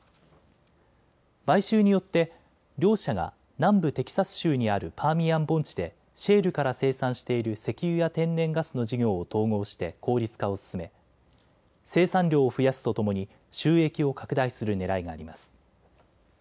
買収によって両社が南部テキサス州にあるパーミアン盆地でシェールから生産している石油や天然ガスの事業を統合して効率化を進め生産量を増やすとともに収益を拡大するねらいがあります。